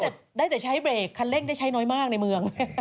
แต่ได้แต่ใช้เบรกคันเร่งได้ใช้น้อยมากในเมือง